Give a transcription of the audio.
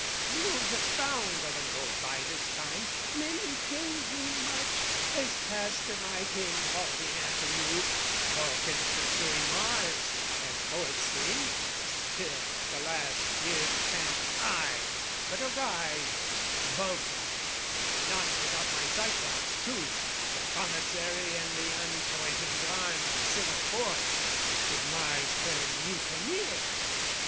news abound "O' the road by this time, men regaled me much, "As past them I came halting after you, "Vulcan pursuing Mars, as poets sing, "Still at the last here pant I, but arrive, "Vulcan and not without my Cyclops too, "The Commissary and the unpoisoned arm "O' the Civil Force, should Mars turn mutineer.